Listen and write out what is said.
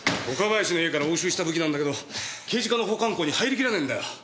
岡林の家から押収した武器なんだけど刑事課の保管庫に入りきらねえんだよ。